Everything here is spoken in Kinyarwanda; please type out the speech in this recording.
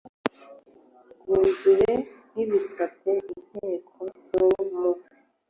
bwuzuye ribisabye Inteko Nkuru mu